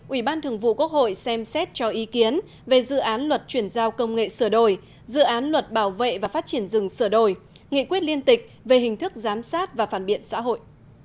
ủy ban thường vụ quốc hội xem xét cho ý kiến về dự án luật chuyển giao công nghệ sửa đổi dự án luật bảo vệ và phát triển rừng sửa đổi nghị quyết liên tịch về hình thức giám sát và phản biện xã hội